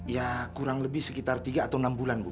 ya kurang lebih sekitar tiga atau enam bulan bu